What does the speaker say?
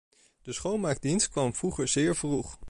De schoonmaakdienst kwam vroeger zeer vroeg.